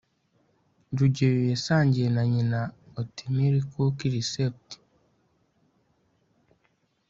rugeyo yasangiye na nyina oatmeal cookie resept